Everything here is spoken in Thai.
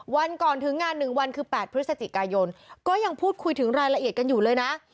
วันก่อนถึงงาน๑วันคือ๘พฤศจิกายนก็ยังพูดคุยถึงรายละเอียดกันอยู่เลยนะ